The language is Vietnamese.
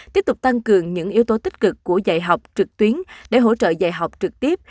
tiếp tục tăng cường những yếu tố tích cực của dạy học trực tuyến để hỗ trợ dạy học trực tiếp